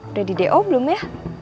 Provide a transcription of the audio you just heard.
udah di do belum ya